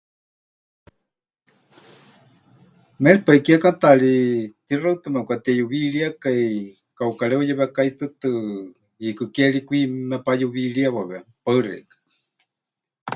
Méripai kiekátaari tixaɨtɨ mepɨkateyuwiiríekai, kauka reuyewekái tɨtɨ, hiikɨ ke ri kwi mepayuwiiriewawe. Paɨ xeikɨ́a.